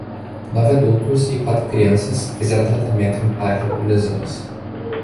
Nove adultos e quatro crianças fizeram tratamento no parque por lesões.